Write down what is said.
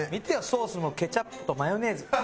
ソースのケチャップとマヨネーズ。